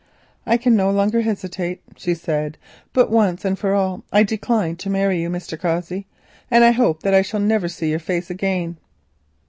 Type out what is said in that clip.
"I can no longer hesitate," she said, "but once and for all I decline to marry you, Mr. Cossey, and I hope that I shall never see your face again."